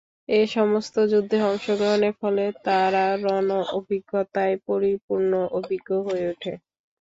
এ সমস্ত যুদ্ধে অংশগ্রহণের ফলে তারা রণ-অভিজ্ঞতায় পরিপূর্ণ অভিজ্ঞ হয়ে ওঠে।